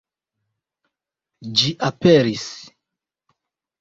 Ĝi aperis!